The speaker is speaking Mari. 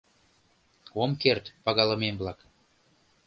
— Ом керт, пагалымем-влак.